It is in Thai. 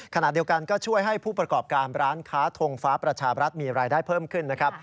ขณะเดียวกันก็ช่วยให้ผู้ประกอบการร้านค้าทงฟ้าประชาบรัฐมีรายได้เพิ่มขึ้นนะครับ